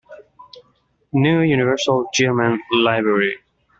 New Universal German Library.